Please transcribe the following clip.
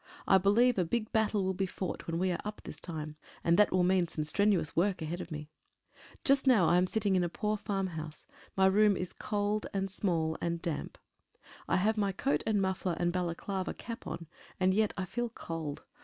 I believe a big battle will be fought when we are up this time, and that will mean some strenuous work ahead of me. Just now I am sitting in a poor farmhouse. My room is small and cold and damp. I have my coat and muffler and Balaclava cap on, and yet I feel cold.